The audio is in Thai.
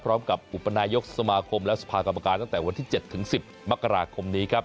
พร้อมกับอุปนายกสมคมและสภาครรมการตั้งแต่วันที่๗ถึง๑๐มกราคมนี้ครับ